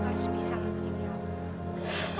aku harus bisa ngepotet kamu